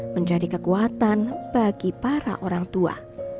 menjadi kekuatan bagi para orang tua